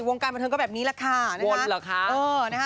วงการบันเทิงก็แบบนี้แหละค่ะ